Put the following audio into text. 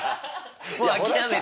もう諦めた。